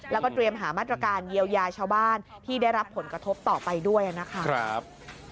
แล้วก็เตรียมหามาตรการเยียวยาชาวบ้านที่ได้รับผลกระทบต่อไปด้วยนะครับ